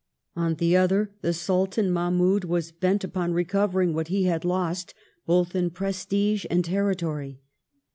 On the other, the Sultan Mahmoud was bent upon recovering what h^ had lost both in prestige and territory.